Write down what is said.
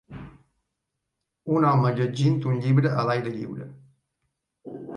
Un home llegint un llibre a l'aire lliure.